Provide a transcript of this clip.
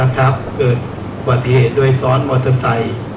เกิดอุบัติเหตุด้วยซ้อนมอเตอร์ไซค์